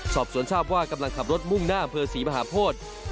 สอบสวนทราบว่ากำลังขับรถมุ่งหน้าอำเภอศรีมหาโพธิ